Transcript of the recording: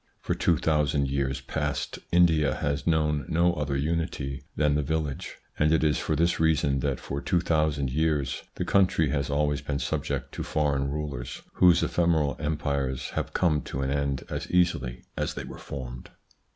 For two thousand years past India has known no other unity than the village, and it is for this reason that for two thousand years the country has always been subject to foreign rulers, whose ephemeral empires have come to an end as easily as they were formed.